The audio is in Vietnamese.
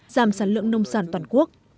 giảm sản lượng nông sản toàn quốc